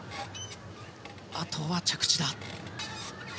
あとは着地。